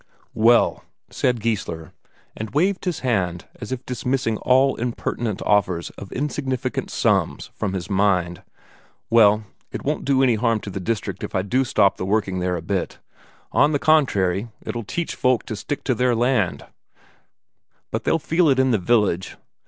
"Well," said Geissler, and waved his hand as if dismissing all impertinent offers of insignificant sums from his mind, "well, it won't do any harm to the district if I do stop the working there a bit on the contrary, it'll teach folk to stick to their land. But they'll feel it in the village.